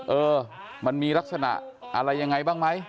เออมันมีลักษณะอะไรยังไงบ้างไหม